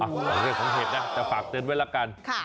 แต่เรื่องของเห็ดนะแต่ฝากเตือนไว้แล้วกัน